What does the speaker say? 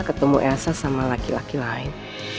ketemu elsa sama laki laki lain